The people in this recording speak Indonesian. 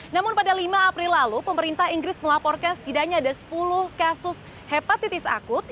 namun pada lima april lalu pemerintah inggris melaporkan setidaknya ada sepuluh kasus hepatitis akut